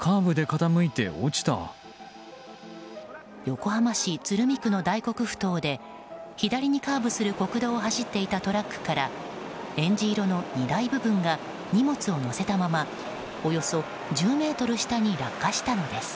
横浜市鶴見区の大黒ふ頭で左にカーブする国道を走っていたトラックからえんじ色の荷台部分が荷物を載せたままおよそ１０ｍ下に落下したのです。